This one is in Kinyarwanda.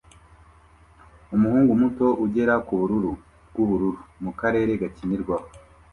Umuhungu muto ugera kubururu bwubururu mukarere gakinirwaho